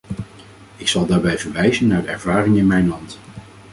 Ik zal daarbij verwijzen naar de ervaring in mijn land.